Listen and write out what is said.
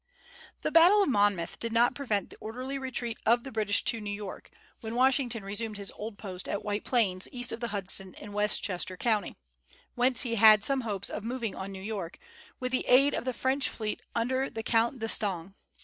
The battle of Monmouth did not prevent the orderly retreat of the British to New York, when Washington resumed his old post at White Plains, east of the Hudson in Westchester County, whence he had some hopes of moving on New York, with the aid of the French fleet under the Count d'Estaing.